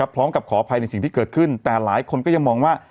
ขออภัยในสิ่งที่เกิดขึ้นแต่หลายคนก็ยังมองว่า